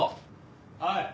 はい。